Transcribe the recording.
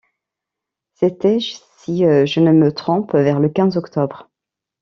C’était, si je ne me trompe, vers le quinze octobre